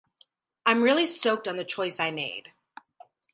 I'm really stoked on the choice I made.